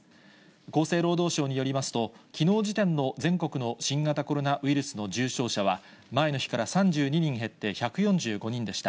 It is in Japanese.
厚生労働省によりますと、きのう時点の全国の新型コロナウイルスの重症者は、前の日から３２人減って１４５人でした。